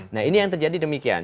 nah ini yang terjadi demikian